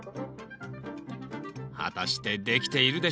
果たしてできているでしょうか？